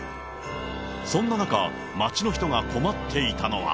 そんな中、街の人が困っていたのは。